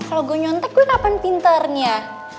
kalau gue nyontek gue kapan pinternya